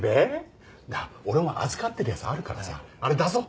なあ俺も預かってるやつあるからさあれ出そう。